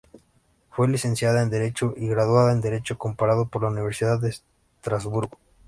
Fue licenciada en Derecho y graduada en Derecho Comparado por la Universidad de Estrasburgo.